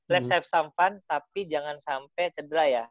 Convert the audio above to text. let s have some fun tapi jangan sampai cedera ya